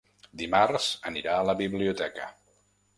Dimarts anirà a la biblioteca.